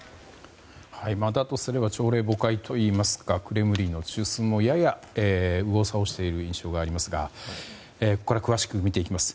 だとすれば朝令暮改といいますかグレムリンの中枢も右往左往している様子がありますがここからは詳しく見ていきます。